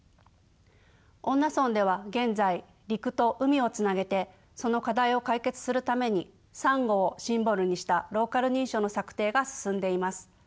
恩納村では現在陸と海をつなげてその課題を解決するためにサンゴをシンボルにしたローカル認証の策定が進んでいます。